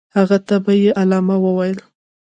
هغه ته به یې علامه ویل.